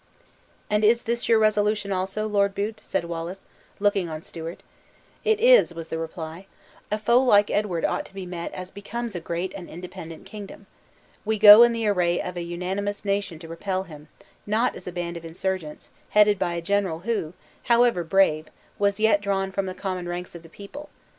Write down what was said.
"And is this your resolution also, Lord Bute?" said Wallace, looking on Stewart. "It is," was the reply; "a foe like Edward ought to be met as becomes a great and independent kingdom. We go in the array of an unanimous nation to repel him; not as a band of insurgents, headed by a general who, however brave, was yet drawn from the common ranks of the people.